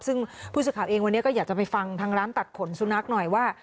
ซึ่งผู้สื่อข่าวเองวันนี้ก็อยากจะไปฟังทางร้านตัดขนสุนัขหน่อยว่า